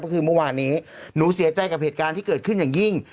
ก็คือเมื่อวานนี้หนูเสียใจกับเหตุการณ์ที่เกิดขึ้นอย่างยิ่ง